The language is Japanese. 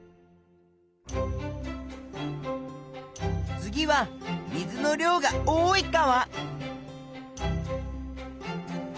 次は水の量が多い川。